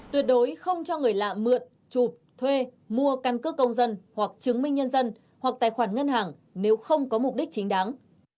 tuyệt đối không cho người lạ mượn chụp thuê mua căn cước công dân hoặc chứng minh nhân dân hoặc tài khoản ngân hàng nếu không có mục đích chính đáng